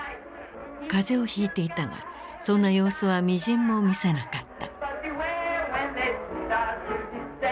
風邪をひいていたがそんな様子はみじんも見せなかった。